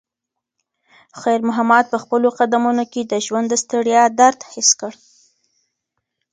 خیر محمد په خپلو قدمونو کې د ژوند د ستړیا درد حس کړ.